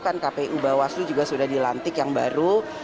kan kpu bawaslu juga sudah dilantik yang baru